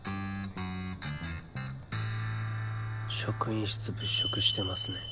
職員室物色してますね。